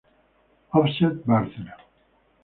Offset Bárcena.